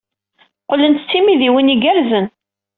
Qqlent d timidiwin igerrzen.